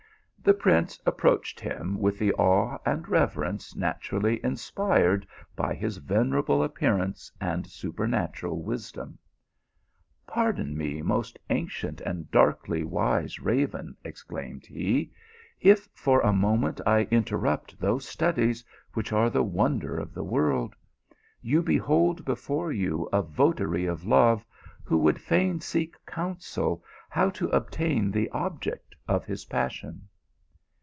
The prince approached him with the awe and reverence naturally inspired by his venerable ap pearance and supernatural wisdom. " Pardon me, most ancient and darkly wise raven," exclaimed he, " if for a moment I interrupt those studies which are the wonder of the world. You behold before you a votary of love, who would fain seek counsel how to obtain the object of his passion."